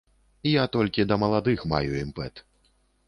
Я толькі да маладых маю імпэт.